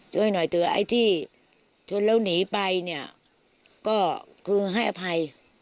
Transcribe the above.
ช่วยหน่อยเถอะไอ้ที่ชนแล้วหนีไปเนี่ยก็คือให้อภัย